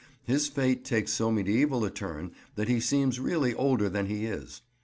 His fate takes so mediæval a turn that he seems really older than he is.